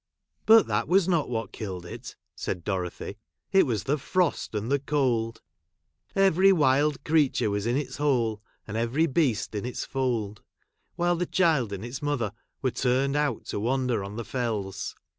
" But that was not Avhat killed it," said Dorothy ;" it was the frost and the cold, — every wild creature Avas in its hole, and every beast in its fold, — while the child and its mother Avere turned out to Avander ' on the Fells